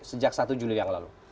sejak satu juli yang lalu